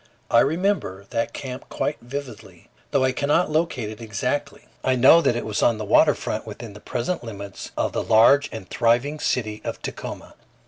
I remember that camp quite vividly; though I cannot locate it exactly, I know that it was on the water front within the present limits of the large and thriving city of Tacoma.